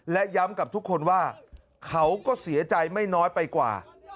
และย้ำกับทุกคนว่าเขาก็เสียใจไม่น้อยไปกว่า